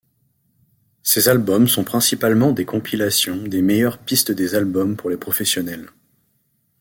Ces albums sont principalement des compilations des meilleures pistes des albums pour les professionnels.